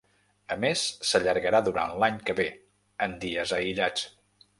A més, s’allargarà durant l’any que ve, en dies aïllats.